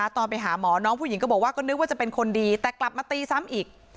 ตอนไปหาหมอน้องผู้หญิงก็บอกว่าก็นึกว่าจะเป็นคนดีแต่กลับมาตีซ้ำอีก